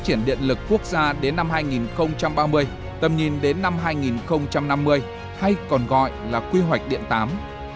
triển lực quốc gia đến năm hai nghìn ba mươi tầm nhìn đến năm hai nghìn năm mươi hay còn gọi là quy hoạch điện tám